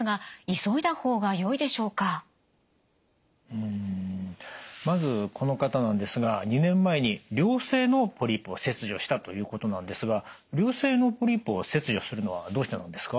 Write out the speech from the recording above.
うんまずこの方なんですが２年前に良性のポリープを切除したということなんですが良性のポリープを切除するのはどうしてなんですか？